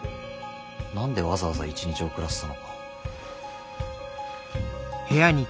何でわざわざ一日遅らせたのか。